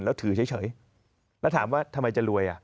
แล้วถือเฉย